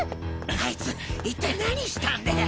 あいつ一体何したんだ？